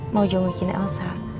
mau janggukin elsa